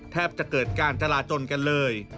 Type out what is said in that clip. แทบจะเกิดการจราจนกันเลย